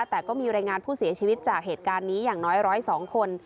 แต่ก็มีรายงานผู้เสียชีวิตจากเหตุการณ์นี้อย่างน้อย๑๐๒คน